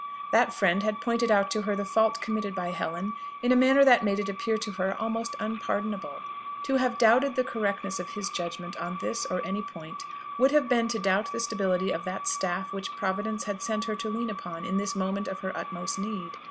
That friend had pointed out to her the fault committed by Helen in a manner that made it appear to her almost unpardonable. To have doubted the correctness of his judgment on this, or any point, would have been to doubt the stability of that staff which Providence had sent her to lean upon in this moment of her utmost need.